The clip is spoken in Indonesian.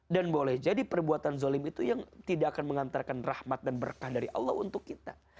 dan boleh jadi perbuatan zolim itu yang tidak akan mengantarkan rahmat dan berkah dari allah untuk kita